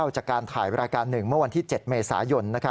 จากการถ่ายรายการหนึ่งเมื่อวันที่๗เมษายน